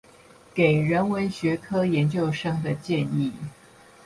給人文學科研究生的建議